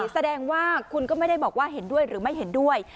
แสดงว่าคุณก็ไม่ได้บอกว่าเห็นด้วยหรือไม่เห็นด้วย